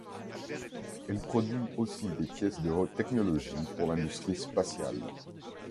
Elle produit aussi des pièces de haute technologie pour l'industrie spatiale.